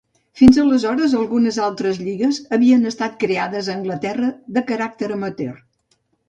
Fins aleshores, algunes altres lligues havien estat creades a Anglaterra de caràcter amateur.